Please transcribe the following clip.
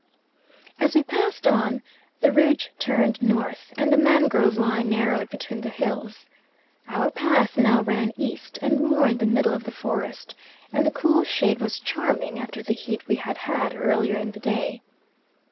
As we passed on, the ridge turned N. and the mangrove line narrowed between the hills. Our path now ran east and more in the middle of the forest, and the cool shade was charming after the heat we had had earlier in the day.